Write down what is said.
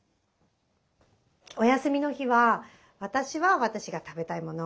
お休みの日は私は私が食べたいもの。